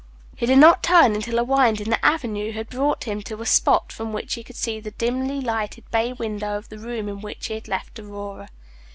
He did not turn until a wind in the avenue had brought him to a spot from which he could see the dimly lighted bay window of the room in which he had left Aurora.